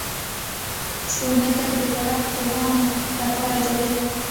سپوږمۍ تل د فلک پوهانو لپاره جالبه وه